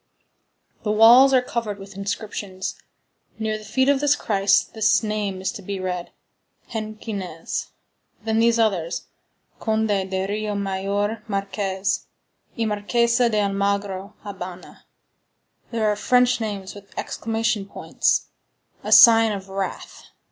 The walls are covered with inscriptions. Near the feet of Christ this name is to be read: Henquinez. Then these others: Conde de Rio Maior Marques y Marquesa de Almagro (Habana). There are French names with exclamation points,—a sign of wrath.